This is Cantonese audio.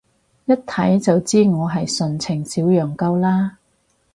一睇就知我係純情小羔羊啦？